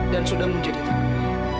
dan sudah menjadi takdir